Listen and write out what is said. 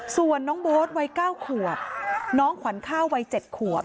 ส่วนน้องโบ๊ทวัย๙ขวบน้องขวัญข้าววัย๗ขวบ